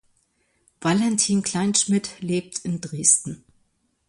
Valentin Kleinschmidt lebt in Dresden.